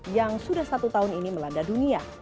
yang sudah satu tahun ini melanda dunia